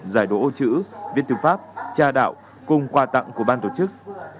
giải đồ ô chữ viết từ pháp tra đạo cùng quà tặng của ban tổ chức